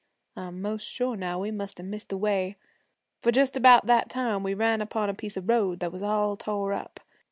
I'm 'most sure now we must have missed the way, for just about that time we ran upon a piece of road that was all tore up.